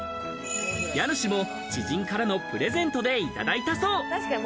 家主も知人からのプレゼントでいただいたそう。